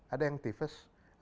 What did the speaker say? ada yang tifes